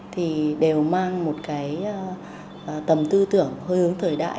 thì đều mang một cái tầm tư tưởng hơi hướng thời đại